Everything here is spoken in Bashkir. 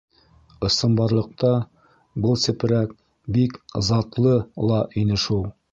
Ысынбарлыҡта был сепрәк бик затлы ла ине шул!